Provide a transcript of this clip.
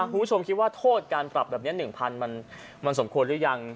คุณผู้ชมคิดว่าโทษการปรับแบบนี้๑๐๐มันสมควรหรือยัง